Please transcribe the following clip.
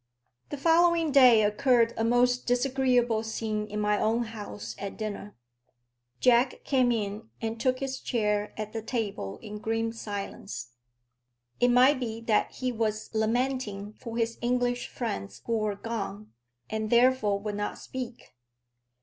The following day occurred a most disagreeable scene in my own house at dinner. Jack came in and took his chair at the table in grim silence. It might be that he was lamenting for his English friends who were gone, and therefore would not speak.